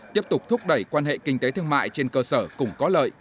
tiếp tục thúc đẩy quan hệ kinh tế thương mại trên cơ sở cùng có lợi